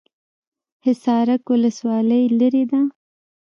حصارک ولسوالۍ لیرې ده؟